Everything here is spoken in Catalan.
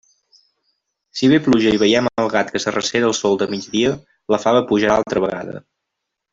Si ve pluja i veiem el gat que s'arrecera al sol de migdia, la fava pujarà altra vegada.